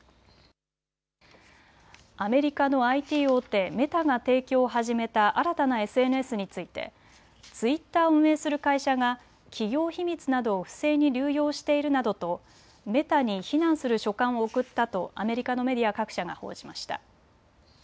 アメリカのＩＴ大手、メタが提供を始めた新たなＳＮＳについてツイッターを運営する会社が企業秘密などを不正に流用しているなどとメタに非難する書簡を送ったとアメリカのメディア各社が報じました。